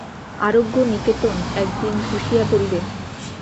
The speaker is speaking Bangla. আরোগ্য নিকেতন একদিন ধসিয়া পড়িবে।